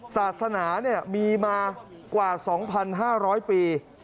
ศาสนามีมากว่า๒๕๐๐ปี